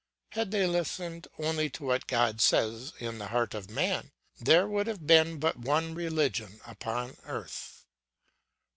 Had they listened only to what God says in the heart of man, there would have been but one religion upon earth.